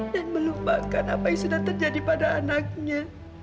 dan melupakan apa yang sudah terjadi pada anaknya